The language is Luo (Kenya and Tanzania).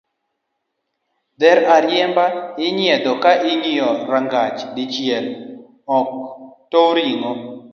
Dher ariemba inyiedho ka ingiyo rangach dichiel ok tow ringo